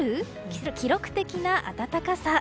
記録的な暖かさ。